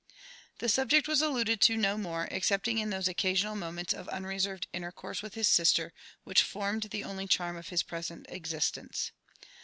'' The subject was alluded to no more, excepting in those occasional moments of unreserved intercourse with his sister, whidi formed the' only charm of his present existence.